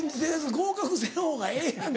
合格せんほうがええやんか。